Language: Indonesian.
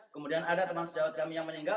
kemudian ada teman sejawat kami yang meninggal